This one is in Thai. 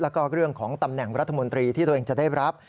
แล้วก็เรื่องของตำแหน่งรัฐมนตรีที่ตัวเองจะได้รับ